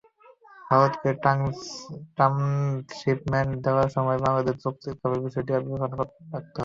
ভারতকে ট্রানশিপমেন্ট দেওয়ার সময় বাংলাদেশের যৌক্তিক লাভের বিষয়টি বিবেচনায় রাখতে হবে।